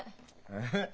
えっ？